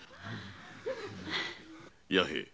弥平。